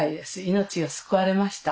命が救われました。